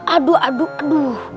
aduh aduh aduh